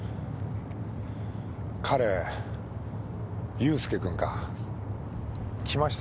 彼佑介君か。来ましたよ